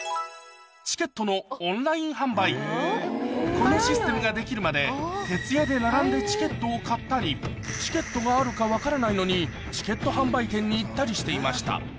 このシステムができるまで徹夜で並んでチケットを買ったりのにチケット販売店に行ったりしていました